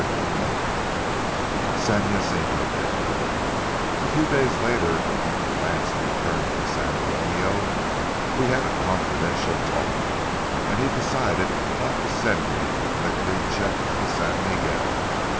CHAPTER VII SAN JACINTO DAY A few days later, when Uncle Lance returned from San Antonio, we had a confidential talk, and he decided not to send me with the McLeod check to the San Miguel.